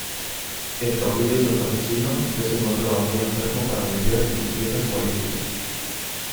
El caudillo santafesino ya se encontraba muy enfermo para lidiar con intrigas políticas.